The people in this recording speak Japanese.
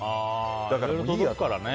だから、いいやって。